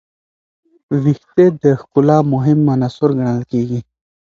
ویښتې د ښکلا مهم عنصر ګڼل کېږي.